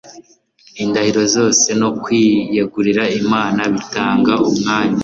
Indahiro zose no kwiyegurira Imana bitanga umwanya